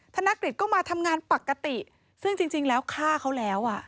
ธนกฤษก็มาทำงานปกติซึ่งจริงแล้วฆ่าเขาแล้วอ่ะ